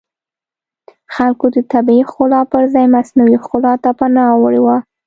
خلکو د طبیعي ښکلا پرځای مصنوعي ښکلا ته پناه وړې وه